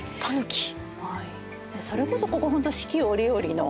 それこそここホント四季折々の。